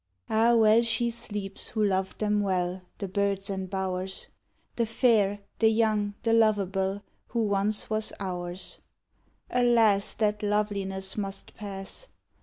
Ah, well she sleeps who loved them well, The birds and bowers; The fair, the young, the lovable, Who once was ours. Alas! that loveliness must pass!